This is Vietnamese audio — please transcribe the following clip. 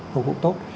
phục vụ tốt